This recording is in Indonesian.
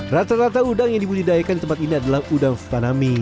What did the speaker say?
rata rata udang yang dibudidayakan di tempat ini adalah udang funami